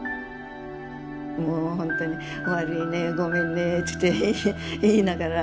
もうほんとに「悪いねごめんね」って言いながら。